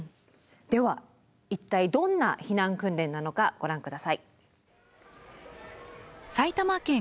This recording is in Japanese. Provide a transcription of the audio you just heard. では一体どんな避難訓練なのかご覧下さい。